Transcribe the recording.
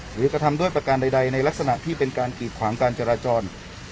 กระทำด้วยประการใดในลักษณะที่เป็นการกีดขวางการจราจร